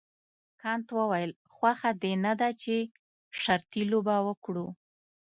کانت وویل خوښه دې نه ده چې شرطي لوبه وکړو.